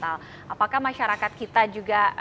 apakah masyarakat kita juga